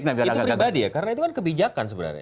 karena itu kan pribadi ya karena itu kan kebijakan sebenarnya